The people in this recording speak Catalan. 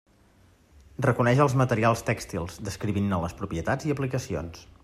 Reconeix els materials tèxtils, descrivint-ne les propietats i aplicacions.